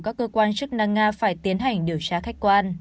các cơ quan chức năng nga phải tiến hành điều tra khách quan